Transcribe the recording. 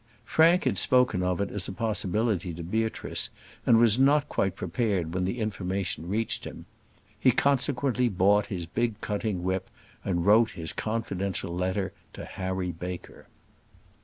Frank had spoken of it as a possibility to Beatrice, and was not quite unprepared when the information reached him. He consequently bought his big cutting whip, and wrote his confidential letter to Harry Baker.